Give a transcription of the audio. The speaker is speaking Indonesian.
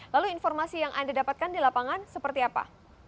lalu informasi yang anda dapatkan di lapangan seperti apa